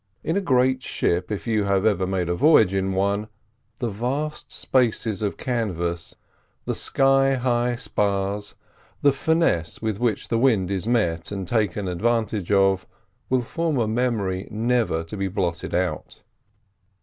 In a great ship, if you have ever made a voyage in one, the vast spaces of canvas, the sky high spars, the finesse with which the wind is met and taken advantage of, will form a memory never to be blotted out.